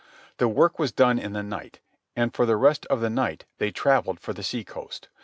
The work was done in the night, and for the rest of the night they travelled for the sea coast.